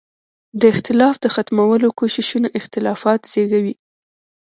د اختلاف د ختمولو کوششونه اختلافات زېږوي.